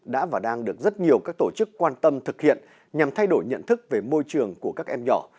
đã và đang được rất nhiều các tổ chức quan tâm thực hiện nhằm thay đổi nhận thức về môi trường của các em nhỏ